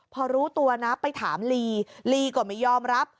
พอรู้ตัวนะไปถามลีลีก็ไม่ยอมรับ